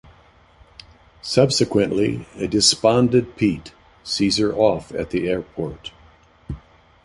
Subsequently, a despondent Pete sees her off at the airport.